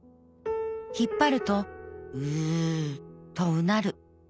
引っ張ると『う』とうなる。